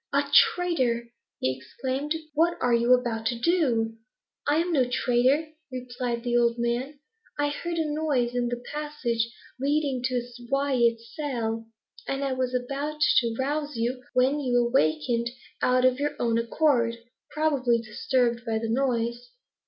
"Ah traitor!" he exclaimed; "what are you about to do?" "I am no traitor," replied the old man. "I heard a noise in the passage leading to Wyat's cell, and was about to rouse you, when you awakened of your own accord, probably disturbed by the noise."